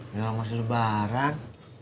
jalan masuk lebaran